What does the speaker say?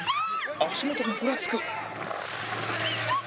足元がふらつく